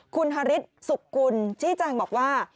คุณฮาริสสุกกุลชี้แจงบอกว่า